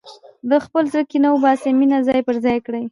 د خپل زړه کینه وباسه، مینه ځای پر ځای کړه.